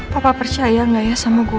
papa percaya gak ya sama gue